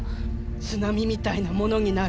津波みたいなものになる。